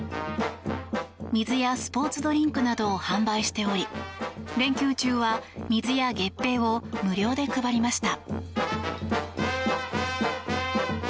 水やスポーツドリンクなどを販売しており連休中は水や月餅を無料で配りました。